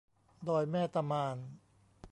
ดอยแม่ตะมาน